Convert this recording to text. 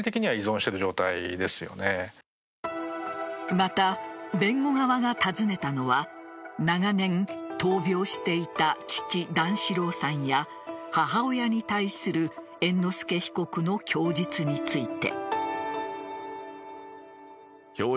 また、弁護側が尋ねたのは長年、闘病していた父・段四郎さんや母親に対する猿之助被告の供述について。